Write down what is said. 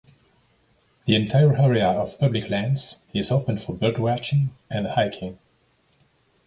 The entire area of public lands is open for birdwatching and hiking.